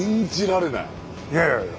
いやいやいや